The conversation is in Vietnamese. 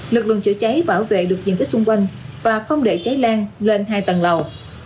lực lượng chữa cháy bảo vệ được diện tích xung quanh và không để cháy lan lên hai tầng lầu